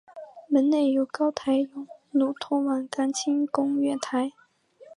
门内有高台甬路通往干清宫月台。